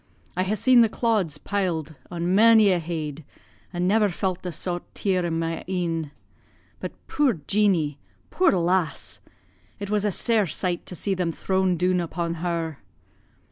I ha' seen the clods piled on mony a heid, and never felt the saut tear in my e'en. But, puir Jeanie! puir lass. It was a sair sight to see them thrown doon upon her."